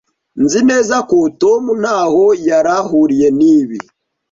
Nzi neza ko Tom ntaho yari ahuriye nibi.